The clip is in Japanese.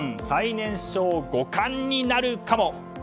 最年少五冠になるかも。